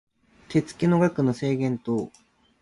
手付の額の制限等